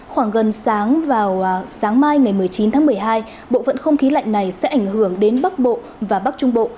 khoảng gần sáng vào sáng mai ngày một mươi chín tháng một mươi hai bộ phận không khí lạnh này sẽ ảnh hưởng đến bắc bộ và bắc trung bộ